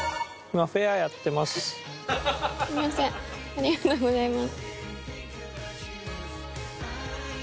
ありがとうございます。